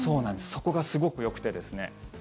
そこがすごくよくてですね